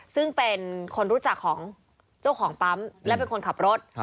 ซึ่งเป็นคนรู้จักของเจ้าของปั๊มและเป็นคนขับรถ